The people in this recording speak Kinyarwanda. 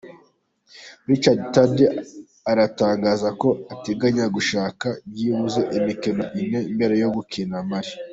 Richard Tardy aratangaza ko ateganya gushaka byibuze imikino ine mbere yo gukina Mali.